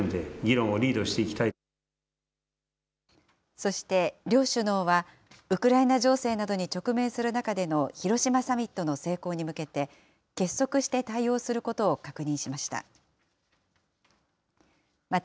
そして両首脳は、ウクライナ情勢などに直面する中での広島サミットの成功に向けて、結束して対応することを確認しました。